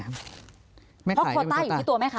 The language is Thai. เพราะโคต้าอยู่ที่ตัวแม่ค